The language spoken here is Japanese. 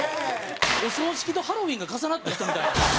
お葬式とハロウィーンが重なった人みたい。